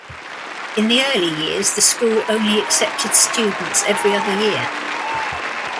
In the early years, the school only accepted students every other year.